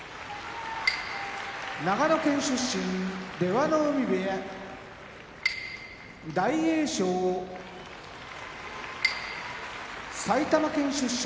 長野県出身出羽海部屋大栄翔埼玉県出身